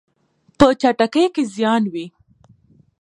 په چټکۍ کې زیان وي.